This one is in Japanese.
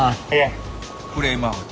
フレームアウト。